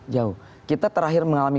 jauh kita terakhir mengalami